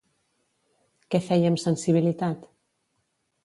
Què feia amb sensibilitat?